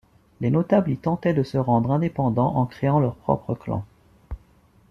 Les notables y tentaient de se rendre indépendants en créant leur propre clan.